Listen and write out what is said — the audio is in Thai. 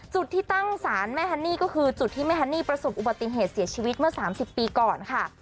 จุดที่ตั้งศาลแม่ฮันนี่ก็คือจุดที่แม่ฮันนี่ประสบอุบัติเหตุเสียชีวิตเมื่อ๓๐ปีก่อนค่ะ